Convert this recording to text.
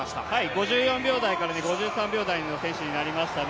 ５４秒台から５３秒台の選手になりましたね。